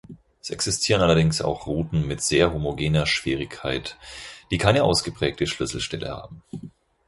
Es existieren allerdings auch Routen mit sehr homogener Schwierigkeit, die keine ausgeprägte Schlüsselstelle haben.